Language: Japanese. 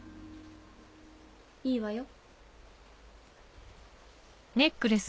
いいわよ。